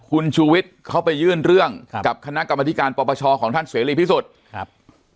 คุณชูวิทย์เขาไปยื่นเรื่องครับกับคณะกรรมธิการปปชของท่านเสรีพิสุทธิ์ครับ